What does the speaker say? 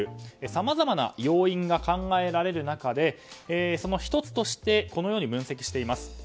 さまざまな要因が考えられる中でその１つとしてこのように分析しています。